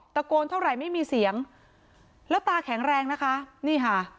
โกนเท่าไหร่ไม่มีเสียงแล้วตาแข็งแรงนะคะนี่ค่ะ